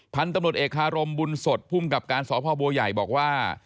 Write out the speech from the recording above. พันธุ์ตำรวจเอกคารมบุญสดภูมิกับการสพบัวใหญ่บอกว่า